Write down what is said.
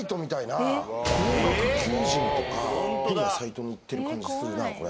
「高額求人」とか変なサイトに行ってる感じするなこれ。